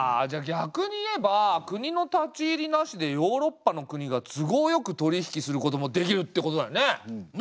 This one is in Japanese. じゃあ逆に言えば国の立ち入りなしでヨーロッパの国が都合よく取り引きすることもできるってことだよね。